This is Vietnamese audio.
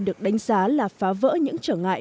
được đánh giá là phá vỡ những trở ngại